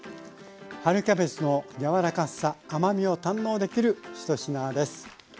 春キャベツの柔らかさ甘みを堪能できる１品です。